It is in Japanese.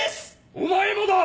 お前もだ！